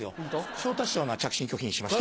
昇太師匠のは着信拒否にしました。